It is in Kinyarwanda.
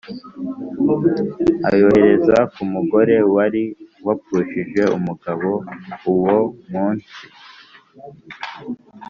ayohereza ku mugore wari wapfushije umugabo uwo munsi.